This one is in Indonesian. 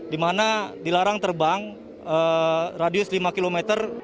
di mana dilarang terbang radius lima km